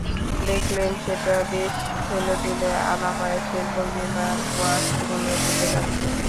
দেখলেন সেটা বেশ হেলেদুলে আরাম আয়েশের ভঙ্গিমায় ওয়াশ রুমের দিকে যাচ্ছে।